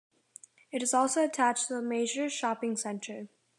It is also attached to a major shopping centre.